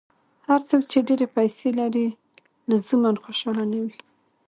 هر څوک چې ډېرې پیسې لري، لزوماً خوشاله نه وي.